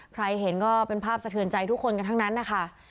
เห็นก็เป็นภาพสะเทือนใจทุกคนกันทั้งนั้นนะคะ